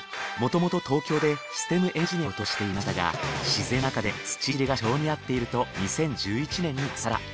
もともと東京でシステムエンジニアの仕事をしていましたが自然の中で土いじりが性に合っていると２０１１年に脱サラ。